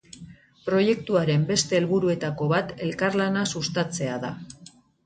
Proiektuaren beste helburuetako bat elkarlana sustatzea da.